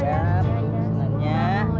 terima kasih ya bu